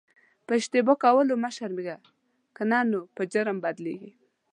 په اشتباه کولو مه شرمېږه که نه نو په جرم بدلیږي.